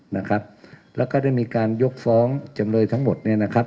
นะครับแล้วก็ได้มีการยกฟ้องจำเลยทั้งหมดเนี่ยนะครับ